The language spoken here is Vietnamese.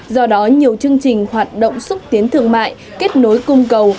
do đó nhiều chương trình hoạt động xúc tiến thương mại kết nối cung cầu